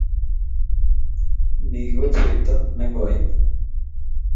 Ni ko chepto ne koi.